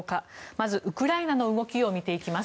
まずウクライナの動きを見ていきます。